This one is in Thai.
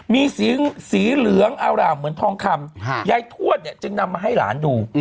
มีสีเหลืองอร่ามเหมือนทองคำยายทวดเนี่ยจึงนำมาให้หลานดู